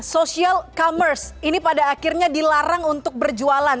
sosial e commerce ini pada akhirnya dilarang untuk berjualan